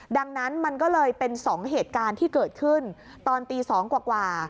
ดังนั้นมันก็เลยเป็น๒เหตุการณ์ที่เกิดขึ้นตอนตี๒กว่า